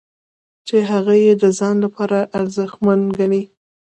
چې هغه یې د ځان لپاره ارزښتمن ګڼي.